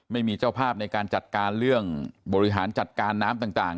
ไม่มีเจ้าภาพในการจัดการเรื่องบริหารจัดการน้ำต่าง